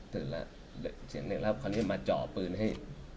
ตื่นแล้วคอนนี้มาเจาะปืนให้